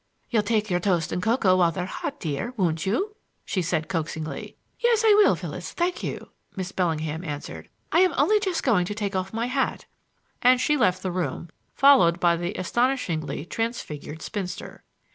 "You'll take your toast and cocoa while they're hot, dear, won't you?" she said coaxingly. "Yes, I will, Phyllis, thank you," Miss Bellingham answered. "I am only just going to take off my hat," and she left the room, followed by the astonishingly transfigured spinster.